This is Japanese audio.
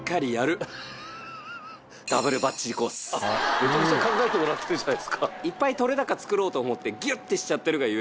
めちゃくちゃ考えてもらってるじゃないですか。